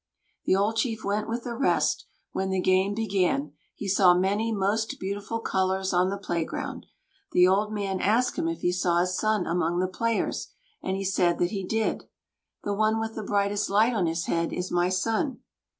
The old chief went with the rest; when the game began, he saw many most beautiful colors on the playground. The old man asked him if he saw his son among the players, and he said that he did. "The one with the brightest light on his head is my son."